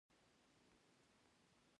کلتور د افغانستان د طبیعت برخه ده.